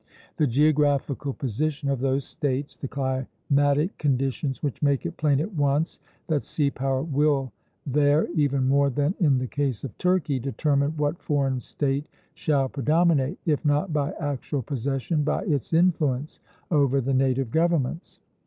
The geographical position of those States, the climatic conditions, make it plain at once that sea power will there, even more than in the case of Turkey, determine what foreign State shall predominate, if not by actual possession, by its influence over the native governments.